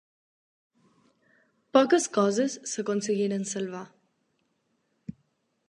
Poques coses s'aconseguiren salvar.